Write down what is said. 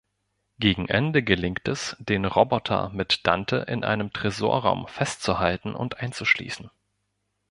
Gegen Ende gelingt es, den Roboter mit Dante in einem Tresorraum festzuhalten und einzuschließen.